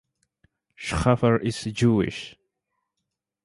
Schafer is Jewish.